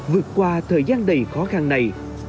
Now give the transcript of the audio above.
vượt qua thời gian đầy khó khăn này